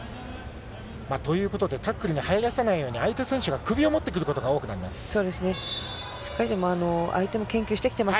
タックルに入らせないように相手選手が首を持ってくることが多くなります。